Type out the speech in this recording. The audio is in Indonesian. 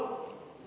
di dalam cairan